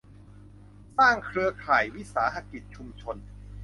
สร้างเครือข่ายวิสาหกิจชุมชน